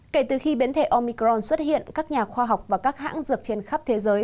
kể từ khi biến thể omicron xuất hiện các nhà khoa học và các hãng dược trên khắp thế giới